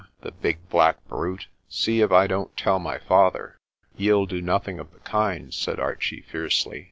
"The big black brute! See if I don't tell my father." "Ye'll do nothing of the kind," said Archie fiercely.